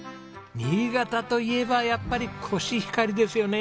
新潟といえばやっぱりコシヒカリですよね